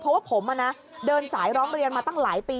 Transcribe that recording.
เพราะว่าผมเดินสายร้องเรียนมาตั้งหลายปี